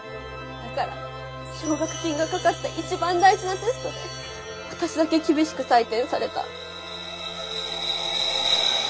だから奨学金がかかった一番大事なテストで私だけ厳しく採点された。